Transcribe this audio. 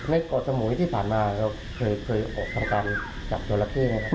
เกาะสมุยที่ผ่านมาเราเคยออกทำการจับจราเข้ไหมครับ